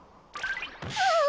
ああ。